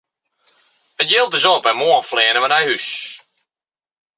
It jild is op en moarn fleane wy nei hús!